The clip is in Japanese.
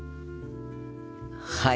はい。